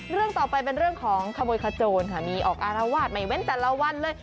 เรื่องต่อไปเป็นเรื่องของขโมยขโจรค่ะมีออกอารวาสไม่เว้นแต่ละวันเลย